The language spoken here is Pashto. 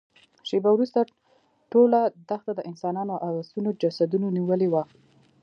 شېبه وروسته ټوله دښته د انسانانو او آسونو جسدونو نيولې وه.